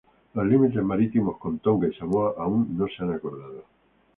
Los límites marítimos con Tonga y Samoa aún no se han acordado.